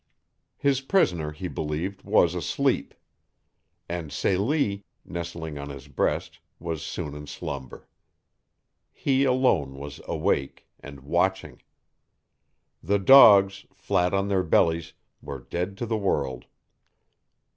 His prisoner, he believed, was asleep. And Celie, nestling on his breast, was soon in slumber. He alone was awake, and watching. The dogs, flat on their bellies, were dead to the world.